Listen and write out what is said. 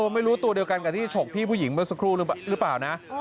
ไม่รู้ตัวเดียวกันกับที่ฉกพี่ผู้หญิงเมื่อสักครู่หรือเปล่านะ